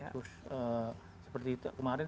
terus seperti kemarin saya sampaikan ya